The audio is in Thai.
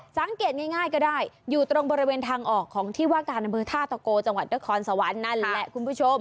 สังเกตง่ายก็ได้อยู่ตรงบริเวณทางออกของที่ว่าการอำเภอท่าตะโกจังหวัดนครสวรรค์นั่นแหละคุณผู้ชม